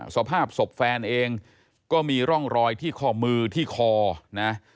สภาพศพแฟนเองก็มีร่องรอยที่ข้อมือที่คอนะ